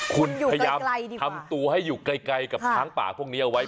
คุณพยายามทำตัวให้อยู่ไกลกับช้างป่าพวกนี้เอาไว้